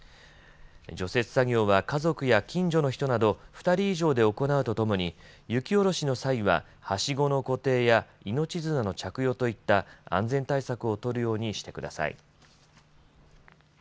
除雪作業は家族や近所の人など２人以上で行うとともに雪下ろしの際は、はしごの固定や命綱の着用といった安全対策を取るようにしてください。